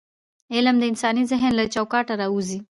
علم د انساني ذهن له چوکاټونه راووځي.